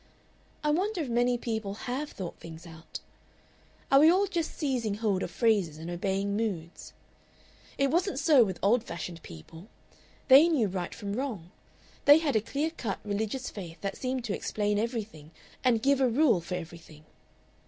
"I wonder if many people HAVE thought things out? "Are we all just seizing hold of phrases and obeying moods? "It wasn't so with old fashioned people, they knew right from wrong; they had a clear cut, religious faith that seemed to explain everything and give a rule for everything.